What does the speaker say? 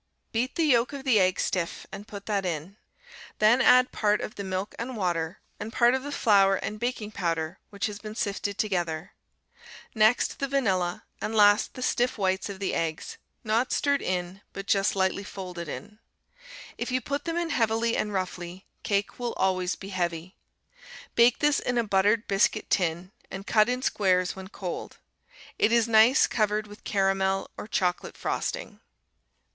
Beat the yolk of the egg stiff and put that in; then add part of the milk and water, and part of the flour and baking powder, which has been sifted together; next the vanilla, and last the stiff whites of the eggs, not stirred in, but just lightly folded in. If you put them in heavily and roughly, cake will always be heavy. Bake this in a buttered biscuit tin, and cut in squares when cold. It is nice covered with caramel or chocolate frosting.